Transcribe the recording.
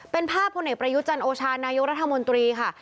เป็นภาพพลเอกประยุจันโอชานายกรัฐมนตรีค่ะ